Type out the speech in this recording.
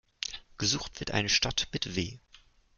Gesucht wird eine Stadt mit W.